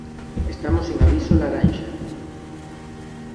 Estamos en aviso laranxa.